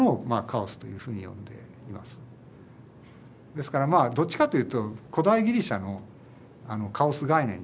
ですからまあどっちかというと古代ギリシャのカオス概念に近い。